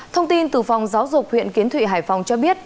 thông tin từ phòng giáo dục huyện kiến thụy hải phòng cho biết